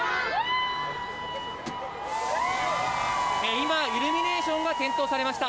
今、イルミネーションが点灯されました。